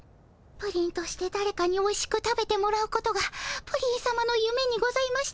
プリンとしてだれかにおいしく食べてもらうことがプリンさまのゆめにございましたよね。